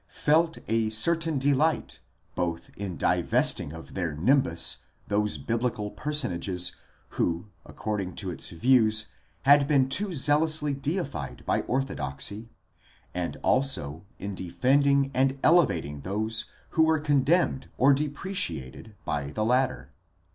felt a certain delight both in divesting of their nimbus those biblical person ages who according to its views had been too zealously deified by orthodoxy, and also in defending and elevating those who were condemned or de preciated by the latter.